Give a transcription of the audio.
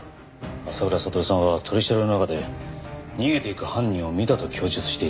浅倉悟さんは取り調べの中で逃げていく犯人を見たと供述していた。